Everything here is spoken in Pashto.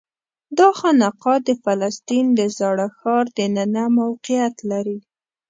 دا خانقاه د فلسطین د زاړه ښار دننه موقعیت لري.